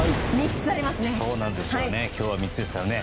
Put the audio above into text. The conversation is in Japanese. ３つありますね。